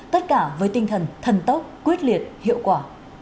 tất cả với tinh thần thần tốc quyết liệt hiệu quả